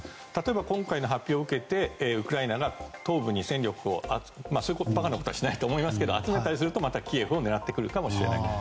例えば今回の発表を受けてウクライナが東部に戦力をそんな馬鹿なことはしないと思いますが、集めたりするとまたキエフを狙ってくるかもしれない。